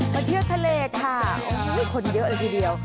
เที่ยวทะเลค่ะคนเยอะเลยทีเดียว